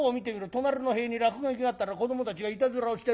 隣の塀に落書きがあったら子どもたちがいたずらをしてるんだ。